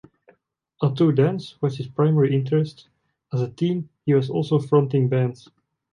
Although dance was his primary interest, as a teen he was also fronting bands.